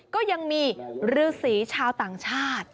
ก็ยังมีฤษีชาวต่างชาติ